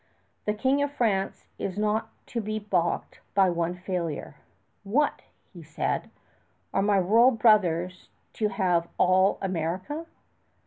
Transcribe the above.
The King of France is not to be balked by one failure. "What," he asked, "are my royal brothers to have all America?"